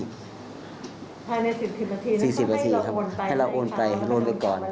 ภายใน๑๐นาที๔๐นาทีครับให้เราโอนไปโอนไปก่อน